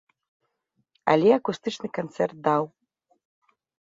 Але акустычны канцэрт даў.